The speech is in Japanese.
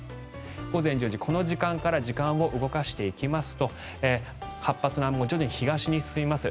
午前１０時、この時間から時間を動かしていきますと活発な雨雲徐々に東に進みます。